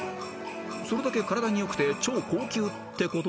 ［それだけ体に良くて超高級ってこと？］